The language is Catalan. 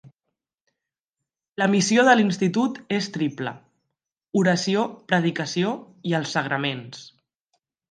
La missió de l'institut és triple: oració, predicació i els sagraments.